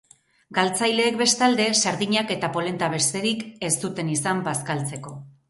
Galtzaileek, bestalde, sardinak eta polenta besterik ez zuten izan bazkaltzeko.